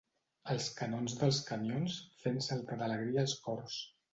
Els canons dels camions fent saltar d'alegria els cors